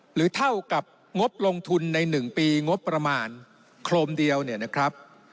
เท่ากับงบลงทุนใน๑ปีงบประมาณโครมเดียวเนี่ยนะครับ